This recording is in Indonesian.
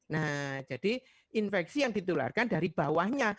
nah jadi infeksi yang ditularkan dari bawahnya